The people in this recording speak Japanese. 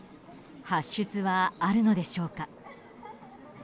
発出はあるのでしょうか。